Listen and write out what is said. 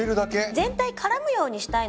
全体絡むようにしたいので。